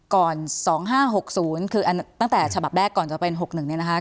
ก่อน๒๕๖๐คือตั้งแต่ฉบับแรกก่อนจะเป็น๖๑เนี่ยนะคะ